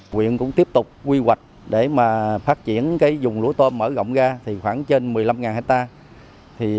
quyện cũng tiếp tục quy hoạch để phát triển dùng lúa tôm mở rộng ra khoảng trên một mươi năm hectare